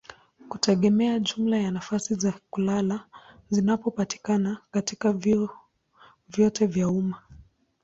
hutegemea jumla ya nafasi za kulala zinazopatikana katika vyuo vyote vya umma.